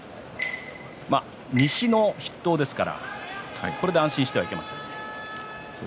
西の筆頭ですからこれで安心してはいけませんね。